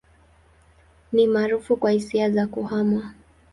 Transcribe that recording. Ni maarufu kwa hisia za kuhama.